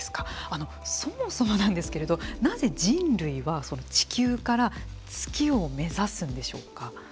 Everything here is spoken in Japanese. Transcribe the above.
そもそもなんですけれどもなぜ人類は地球から月を目指すんでしょうか。